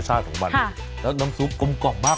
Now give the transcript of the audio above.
เจ็บเป็นเจ็บที่สองครับ